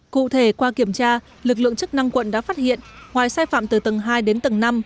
cụ thể qua kiểm tra lực lượng chức năng quận đã phát hiện ngoài sai phạm từ tầng hai đến tầng năm